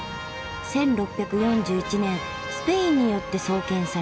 １６４１年スペインによって創建された。